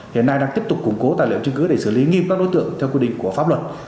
hiện nay đang tiếp tục củng cố tài liệu chứng cứ để xử lý nghiêm các đối tượng theo quy định của pháp luật